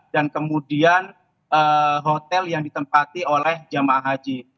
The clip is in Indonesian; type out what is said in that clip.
dan kemudian hotel yang ditempati oleh jemaah haji